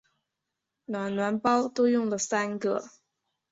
暖暖包都用了三个